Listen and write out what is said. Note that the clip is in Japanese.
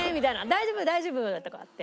「大丈夫大丈夫！」とかって。